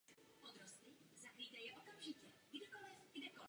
Zpočátku se hrálo pouze na přírodním ledě s malou hráčskou základnou.